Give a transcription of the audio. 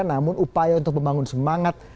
namun upaya untuk membangun semangat